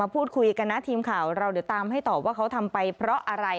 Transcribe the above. พูดคุยกันนะทีมข่าวเราเดี๋ยวตามให้ตอบว่าเขาทำไปเพราะอะไร